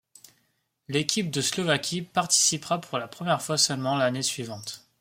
L’équipe de Slovaquie participera pour la première fois seulement l’année suivante.